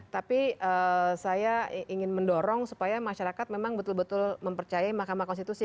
tapi saya ingin mendorong supaya masyarakat memang betul betul mempercayai mahkamah konstitusi